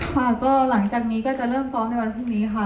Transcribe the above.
ค่ะก็หลังจากนี้ก็จะเริ่มซ้อมในวันพรุ่งนี้ค่ะ